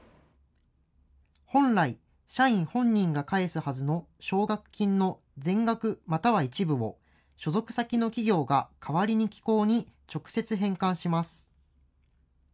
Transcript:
本来、社員本人が返すはずの奨学金の全額または一部を、所属先の企業が代わりに機構に直接返還します。